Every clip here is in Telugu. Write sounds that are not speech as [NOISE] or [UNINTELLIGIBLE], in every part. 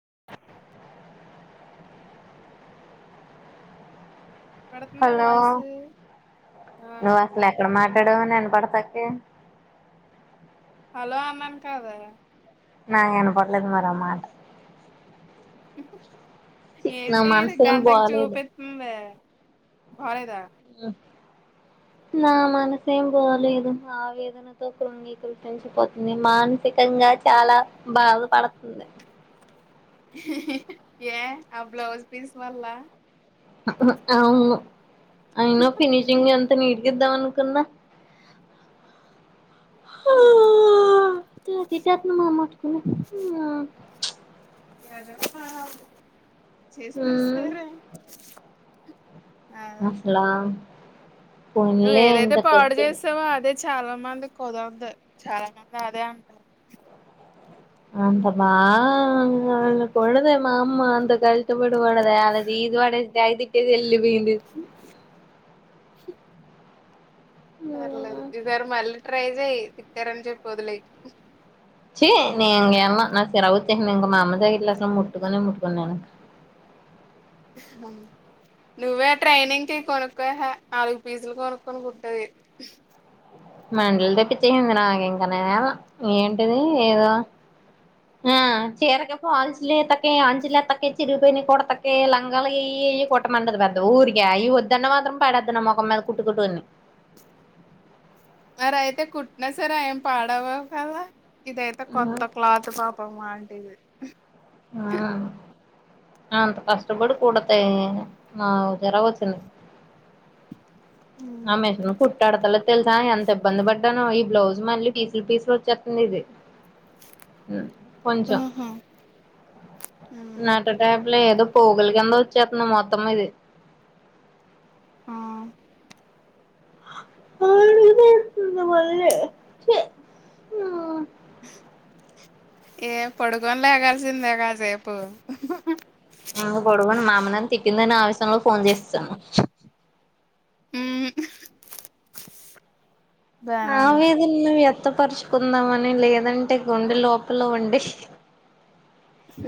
[INAUDIBLE] పడుతుందా హలో వాయిస్ ఆ నువ్వు అసలు ఎక్కడ మాట్లాడవని పడతక్కే హలో అన్నాను కదా నాకు ఇనపడలేదు మరి ఆ మాట నా ఏంటి ఇది మనసేం గంటకి బాలేదు చూపిస్తుంది బాలేదా ఆ [INAUDIBLE] నా మనసేం బాలేదు ఆవేదనతో కృంగి కృశించిపోతుంది మా నసికంగా చాలా బాధపడుతుంది. [INAUDIBLE] ఏ ఆ బ్లౌజ్ పీస్ వల్ల అవును అయినా ఫినిషింగ్ ఎంత నీటిగా ఇద్దాం అనుకున్న [INAUDIBLE] హ్మ్. తిట్టు మామాట్కున్నా చేసినా సరే అదే అసల నువ్వు ఏదైతే పాడు కట్టినా చేసవ చాలా మంది కుదరద్దు చాలా మంది అదే అంటారు. అంత మా కొడుతే మా అమ్మ అంత ఇష్టపడున్నదే అది ఇది వడ అయి తిట్టేది ఎల్లి పోయిండు స పర్లేదు ఈ సారి మళ్ళీ ట్రై చేయి తిట్టారని చెప్పి వదిలేయాకు చీ నేను ఇంక వెళ్ళను నాకు చిరాకు వచ్చే ఇంక మా అమ్మ దగ్గట్లో అసలు ముట్టుకునే ముట్టుకొను నేను [INAUDIBLE] అ నువ్వే ట్రైనింగ్ కి కొనుక్కోయ యెహె నాలుగు పీసులు కొనుక్కనుకుంటది. మండలు తెప్పిచేసేయి నాకు ఇంకా నేను వెళ్లను ఏంటిది ఏదో ఆ చీరకి పాల్సు తక్క ఆంచల్తక చిరిగి పయిన కూడాడతక్క లంగాయ్యి ఇ కొట్టమండదు పెద్ద ఊరిక ఈ వద్దన్న మాత్రం పడొద్న్న ముఖం మీద కుట్టుకుని సర అయితే కుట్టినా సరే ఆం పాడవా కదా ఇదయితే కొత్త క్లాత్ పాపం అంటేదు ఆ అంత కష్టపడి కుడితే నాకు జరగ వలసిందే [INAUDIBLE] ఆ మిషన్ కుట్టాడతా తెలుసా ఎంత ఇబ్బంది పడ్డానో ఈ బ్లౌజ్ మళ్ళీ పీసులు పీసులు వచ్చేతుంది. కొంచం ఆహా లేదు పోగలికి కింద వచ్చేతున్నా మొత్తం ఇది. ఆ ఆడుతుంద మల్ ఏ పడుకోన లేగాల్సిందే కాసేపు ఏం పడుకొని మా అమ్మ నన్ను తిట్టిదని ఆవేశయంలో ఫోన్ చేసేసాను. ఉమ్ బానే ఉంది ఆవేదన్న లే వాత పరుచుకుందామని లేదంటే గుండే లోపల ఉండే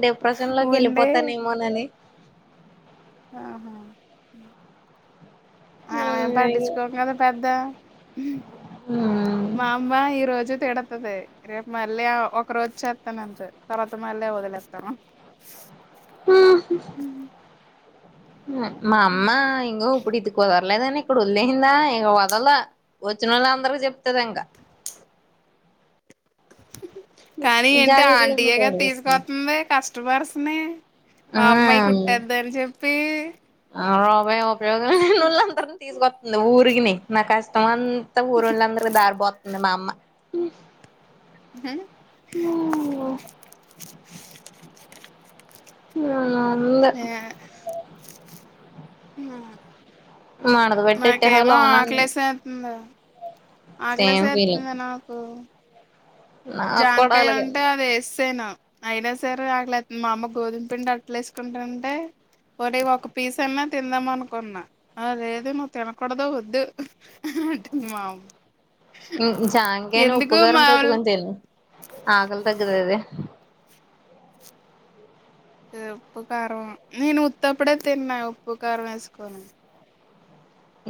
డిప్రెషన్ లోకి ఉండి వెళ్ళిపోతానేమోనని ఆహా మనం మేం పట్టించుకోం కదా పెద్ద మా అమ్మ ఈ రోజు తిడతది రేపు మళ్ళీ ఒక రోజు చేస్తాన అంత తర్వాత మళ్ళీ వదిలేతను. ఉం మా అమ్మా ఇంగో ఇప్పుడ ఇదుకుదర్లేదా వదిలేసిందా ఇగ వదలదు వచ్చినోళ్ళు అందరికి చెప్తది ఇంకా, [INAUDIBLE] కానీ ఏంటి జాకెట్లన్నీ ఆంటీయే కదా పాడేస్తుంది తీసుకోతుంది కస్టమర్స్ ని మా అమ్మాయి కుట్టేద్దని చెప్పి ఉపయోగం తీసుకొతుంది ఊరికిని నా కష్టం అంతా ఊరిళ్ళందరి దారపోతుంది మా అమ్మ ఉహు ఉంది యా హ మడత పెట్టేట్టేవాళ్ళు నాకేమో అవునండి ఆకలేసేతుందిరా. సేమ్ ఫీలింగ్ ఆకలేస్సేతుందే నాకు. నాకు కూడా జామ్కాయ అలాగే ఉంటే ఉంది అది యేసేసాను. అయినా సరే ఆకలేతంది మా అమ్మ గోధుమ పిండి అట్లే ఏసుకుంటుంటే ఒకటి ఒక పీస్ అన్నా తిందాం అనుకున్నా, ఆ లేదు నువ్వు తినకూడదు వద్దు అంటుంది మా హ్ జాంకాయను ఎందుకు ఉప్పుకారం మాములు పెట్టుకొని తిను ఆకలి తగ్గుతది. ఉప్పు, కారం నేను ఉత్తప్పుడే తిన్నే ఉప్పు కారం ఏసుకొని.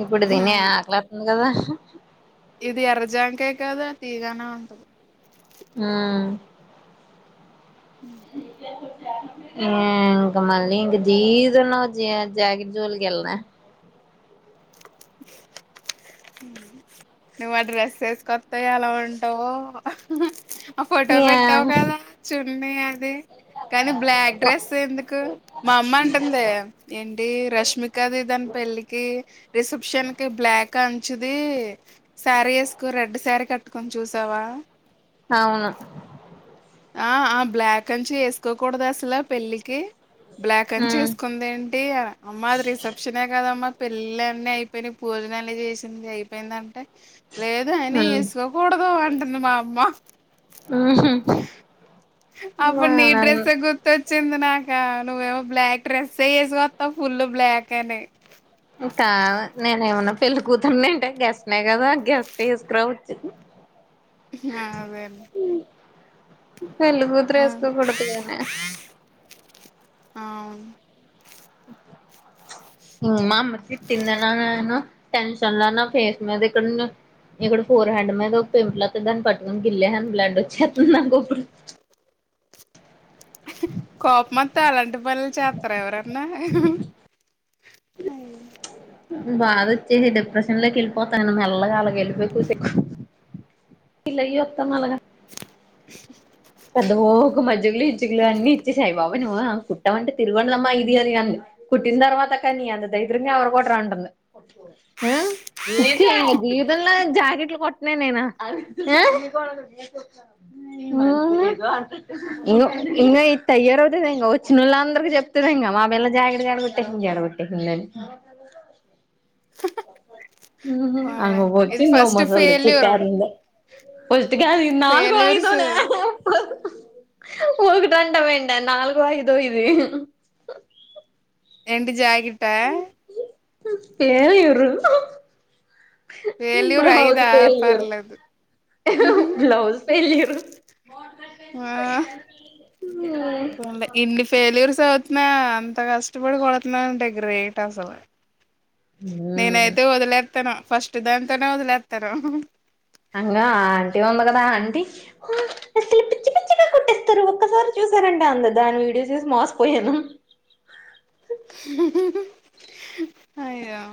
ఇప్పుడు తినే ఆకలెతుంది కదా. ఇది ఎర్రజాంకాయ కదా తీయగానే ఉంటుంది. హ్మ్ యే ఇంకా మళ్ళీ ఇంగా జీవితంలో జా జాకెట్ జోలికి ఎళ్నె. నువ్ ఆ డ్రెసుఎసుకత్తే ఎలా ఉంటవో. ఆ ఫోటో పెట్టావు ఏమో కదా చున్ని అది కాని బ్లాక్ డ్రెస్సె ఎందుకు? మా అమ్మ అంటుంది ఏంటి రష్మికది దాన్ పెళ్ళికి రిసెప్షన్ కి బ్లాక్ కంచుది సారీ ఏసుకో రెడ్ సారీ కట్టుకోని చూసావా. అవును. ఆ ఆ బ్లాక్ అంచు ఏసుకోకూడదా అసలు పెళ్ళికి. బ్లాక్ అంచు ఉమ్ ఏసుకుంది ఏంటి, అమ్మా అది రిసెప్షనే కదమ్మా పెళ్ళీలన్నీ అయిపోయినయి పూజలన్ని చేసింది అయిపోయిందంటే లేదు అయినా ఉమ్ యేసుకోకూడదు అంటుంది మా అమ్మ. ఉహు అప్పుడు నీ డ్రెస్సె గుర్తు అచ్చింది నాకా నువ్వేమో బ్లాక్ డ్రెస్సె యేసుకొత్తావ్ ఫుల్ బ్లాక్ అని. కాదు నేను ఏమన్నా పెళ్ళి కూతుర్నా ఎంటె గెస్ట్నే కదా గెస్ట్ యేసుకురావచ్చు. హఅదే పెళ్లి కూతురు యేసుకోకుడదు గాని. అవును ఇంగా మా అమ్మ తిట్టిందనా నేను టెన్షన్ లో నా ఫేస్ మీద ఇక్కడ ఇక్కడ ఫోర్ హెడ్ మీద ఒక పింపుల్ అత్తే దాన్ని పట్టుకుని గిల్లేసాన్ బ్లడ్ వచ్చేత్తుంది నాకుప్పుడు. కోపమత్తే అలాంటి పనులు చేత్తరా ఎవరన్నా. అయో బాదవచ్చేసి డిప్రెషన్ లోకి ఎళ్ళిపోతాను మెల్లగా అలగా ఎళ్ళిపోయి కూసేక్కు ఇల్లకు చేప్తా మళ్ళగా పెద్దవో ఒక మజ్జుగులు ఇచ్చుగులు అన్ని ఇచ్చేసాయి బాబు ఓసి నీమోహం కుట్టమంటే తిరుగండలమ్మా ఇది అది అంది. కుట్టిన తర్వాత కానీ నీఅంత దరిద్రంగా ఎవరు కుట్టరు అంటుంది. ఆ చీ ఇగా జీవితంలో జాకెట్లు కుట్టనె నేను. ఆ హు ఇంగో ఇంగా ఇది తయారవుతది ఇంగా వచ్చినోళ్ళ అందరికి చెప్తుంది ఇంగా మా పిల్లా జాకిట్ కాడ కుట్టేసి చెడగొట్టేసిందని. హుహ్ పోన్లే ఆమె వచ్చి ఇది నువ్వు ఫస్ట్ ముసల్ది చి ఫెయిల్యూర్ [INAUDIBLE] లే ఫస్ట్ కాదు ఇది నాలుగో ఫెయిల్యూర్స్ ఐదోనే ఇప్పుడు. ఒకటి అంటా వెంటే నాలుగో ఐదో ఇది. ఏంటి జాకెట్టా పేరుయుర్రు ఫెయిల్యూర్ బ్లౌజ్ అయిదా ఫేల్యూర్ పర్లేదు బ్లౌజ్ ఫేల్యూర్ ఉంది ఇన్ని ఫేల్యూర్స్ తో వచ్చినా అంత కష్టపడి కుడుతున్నారంటే గ్రేట్ అసలు ఉమ్ నేనైతే వదిలేత్తను ఫస్ట్ దాంతోనే వదిలేత్తను అంగ ఆంటీ ఉంది గదా ఆంటీ [UNINTELLIGIBLE] కుట్టేస్తారు ఒక్కసారి చూశారంటే అంది దాని వీడియోస్ చేసి మోసపోయాను. అయ్యో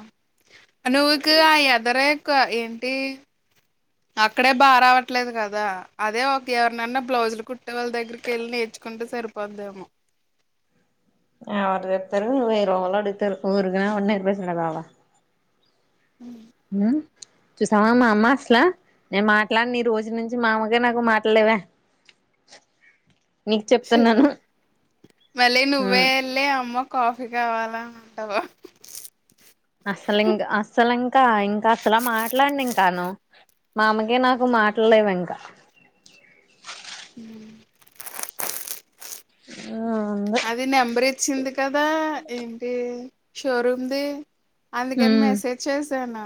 నువ్వుకు ఆ ఎదరే ఎక్కువ ఏంటి అక్కడే బాగా రావట్లేదు గదా అదే ఒక ఎవరినన్నా బ్లౌజులు కుట్టే వాళ్ళ దగ్గరకెళ్ళి నేర్ ర్చుకుంటే సరిపోద్దేమో ఎవరు చెప్తారు వేరే వాళ్లు అడుగుతారు ఊరుగా [UNINTELLIGIBLE] ఉ హుమ్ చూసావా మా అమ్మ అసలా నేను మాట్లాడని రోజు నుంచి మా అమ్మకి నాకు మాటలు లేవే మళ్ళీ నువ్వే ఉమ్ వెళ్ళి అమ్మ కాఫీ కావాలా అను టవా అస్సల్ ఇంగ అసలు ఇంకా ఇంకా అసలా మాట్లాడను ఇంకాను మా అమ్మకి నాకు మాటల్లేవు ఇంకా ఉమ్ ఉంది అది నెంబర్ ఇచ్చింది కదా ఏంటి షోరూమ్ది అందుకని ఉమ్ మెసేజ్ చేశాను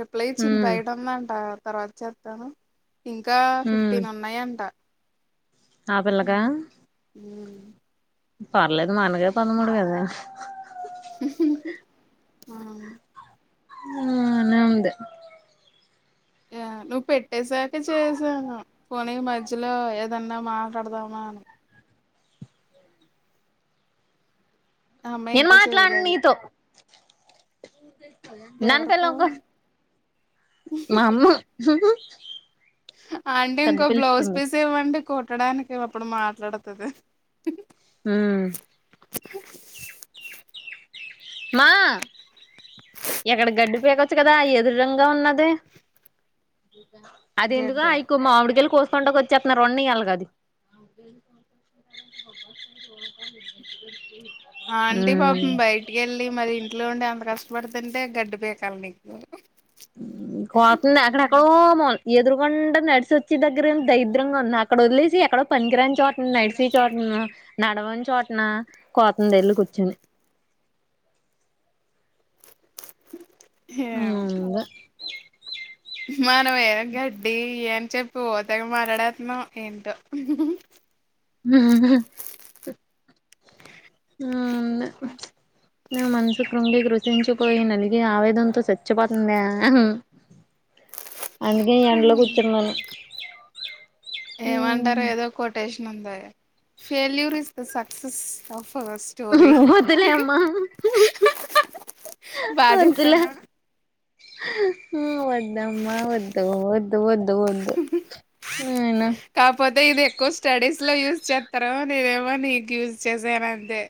రిప్లై ఇచ్చింది ఉమ్ బయటుందంట తర్వాత చేత్తాను ఇంకా ఉమ్ ఫిఫ్టీన్ ఉన్నాయంట ఆ పిల్లకా? పర్లేదు మనకే పదమూడు గదే ఉమ్ హూమ్ బానే ఉంది యా నువ్వు పెట్టేశాకే చేశాను పోనీ మధ్యలో ఏదన్నా మాట్లాడదామా అని ఆ అమ్మాయి నేను ఇంకా మాట్లాడను చేయలేదు నీతో దంతల్ ఎవరితో తొంకొ మా అమ్మ ఆంటీ పెద్ద ఇంకో బ్లౌజ్ పిలుస్తుంది పీస్ ఇవ్వండి కుట్టడానికి అప్పుడు మాట్లాడతది. ఉమ్ మా ఎక్కడ గడ్డి పీకొచ్చు గదా ఎదురుంగా ఉన్నది అది ఎందుకో ఆ గెడ్డ ఎక్కువ మామిడికాయలు కోస్ కుండగా వచ్చేత్తన్నారు ఉండని అలాగ అది ఆంటీ పాపం బయటికి వెళ్ళి మరి ఇంట్లో ఉండి అంత కష్టపడుతుంటే గడ్డి పీకాల నీకు? ఎదురుగుండ నడిసొచ్చి దగ్గర ఏమో దరిద్రంగా ఉన్న అక్కడ వదిలేసి ఎక్కడో పనికిరాని చోటన నడిసే చోటన మ్మ్ నడవని చోటన కోత్తంది వెళ్ళి కూర్చొని [INAUDIBLE] ఊమ్ ఏం ఇంగ మనం ఏమో గడ్డి అని చెప్పి ఓ తెగ మాట్లాడేత్తన్నాం ఏంటో [INAUDIBLE] హూ [UNINTELLIGIBLE] నా మనసు కృంగి కృశి గుంచిపోయి నలిగి ఆవేదనంతో చచ్చిపోతుంద అందుకే ఎండలో కూర్చున్నాను ఏమంటారో ఏదో కొటేషన్ ఉంది failure is the success of first story వద్దులే అమ్మా బాగా వద్దులే చెప్తానా ఆ అ ఇద్దమ్మా వద్దు వద్దు వద్దు వద్దు ననా కాకపోతే ఇది ఎక్కువ స్టడీస్ లో యూజ్ చేస్తారో నేనేమో నీకు యూజ్ చేసాను అంతే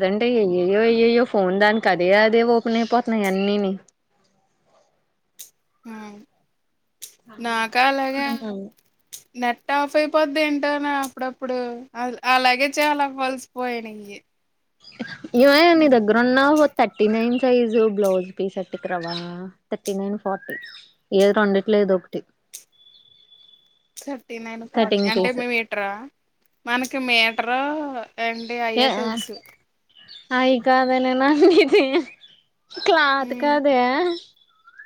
అదంటే అయ్యయో అయ్యయో ఫోన్ దానికి అదే అదే ఓపెన్ అయిపోతున్నాయి అన్నీని [INAUDIBLE] ఆ నాకా అలాగా నెట్ ఆఫ్ అయిపోద్ది ఏంటోనా అప్పుడప్పుడు అలాగే చాలా ఫలిసి పోయాను ఇవే నీ దగ్గర ఉన్నా థర్టీ నైన్ సైజు బ్లౌజ్ పీస్పెట్టుకు రావా థర్టీ నైన్ ఫార్టీ ఏది రెండిటిలో ఏదో ఒకటి [INAUDIBLE] థర్టీ నైన్ ఫార్టీ కటింగ్ అంటే పీస్ మీటర్ మనకి మీటర్ ఏంటి అయ్యో ఏ తెలుసు అయి కాదే న నాది క్లాత్ కాదే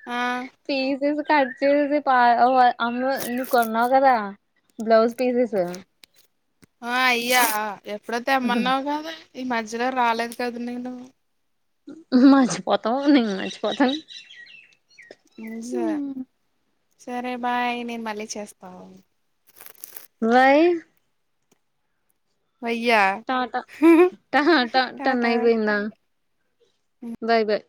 ఆ పీసెస్ కట్ చేససి పాఓ అమ్మ నువ్వు కొన్నావు కదా బ్లౌస్ పీసెస్ ఆ అయ్యా ఎప్పుడో తెమ్మన్నావు కదా ఈ మధ్యలో రాలేదు కదా నేను మాచిపోతాం న మచిపోతను స సరే బాయ్ నేను మళ్ళీ చేస్తాను వై వయ్యా టట ట ట టన్న టాటా పోయిందా బాయ్ బాయ్